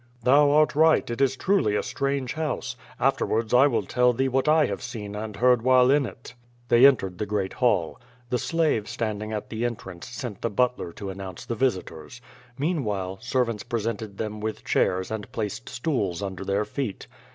"Thou art right, it is truly a strange house. Afterwards I will tell thee what I have seen and heard while in it." They entered the great hall. The slave standing at the entrance sent the butler to announce the visitors. Mean while, servants presented them with chairs and placed stools under their feet.